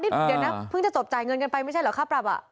เดี๋ยวนะเพิ่งจะจบจ่ายเงินกันไปไม่ใช่เหรอค่าปรับอ่ะ